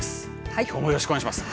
きょうもよろしくお願いします。